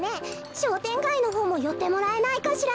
しょうてんがいのほうもよってもらえないかしら。